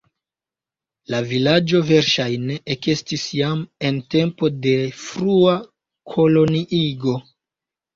La vilaĝo verŝajne ekestis jam en tempo de frua koloniigo.